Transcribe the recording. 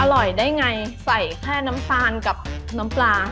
อร่อยได้ไงใส่แค่น้ำตาลกับน้ำปลา